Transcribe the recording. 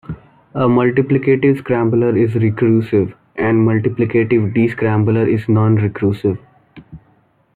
A multiplicative scrambler is recursive, and a multiplicative descrambler is non-recursive.